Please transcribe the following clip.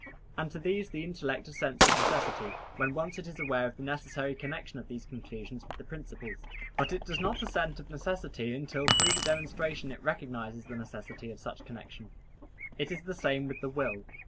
And to these the intellect assents of necessity, when once it is aware of the necessary connection of these conclusions with the principles; but it does not assent of necessity until through the demonstration it recognizes the necessity of such connection. It is the same with the will.